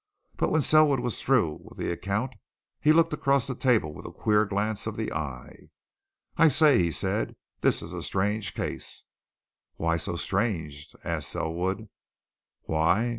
But when Selwood was through with the account, he looked across the table with a queer glance of the eye. "I say!" he said. "This is a strange case!" "Why so strange?" asked Selwood. "Why?